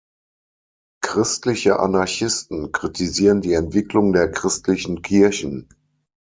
Christliche Anarchisten kritisieren die Entwicklung der christlichen Kirchen.